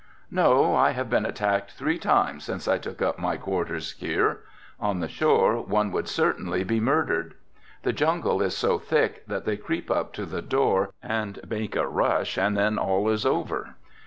"No, I have been attacked three times since I took up my quarters here. On the shore one would certainly be murdered. The jungle is so thick that they creep up to the door and make a rush, then all is over.